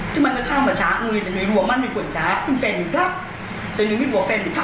ซึ่งมันก็ข้าวมาช้างืดแต่หนูไม่รู้ว่ามันมันควรช้าซึ่งแฟนหนูพัก